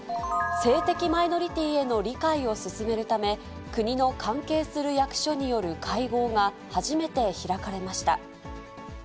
性的マイノリティーへの理解を進めるため、国の関係する役所による会合が初めて開かれました。